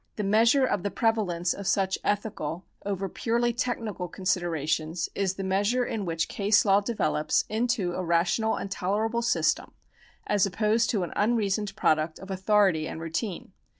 The measure of the prevalence of such ethical over purely techni cal considerations is the measure in which case law develops into a rational and tolerable system as opposed to an un reasoned product of authority and routine.